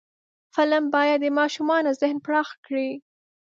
فلم باید د ماشومانو ذهن پراخ کړي